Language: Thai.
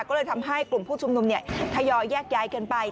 ก็เลยทำให้กลุ่มผู้ชุมนุมทยอยแยกย้ายกันไป